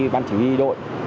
ban chỉ huy đội